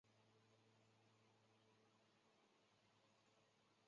其中一位叫钟行廉曾在福建篮球队做了两年球会秘书。